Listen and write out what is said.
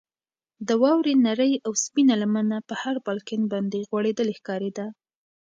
د واورې نرۍ او سپینه لمنه پر هر بالکن باندې غوړېدلې ښکارېده.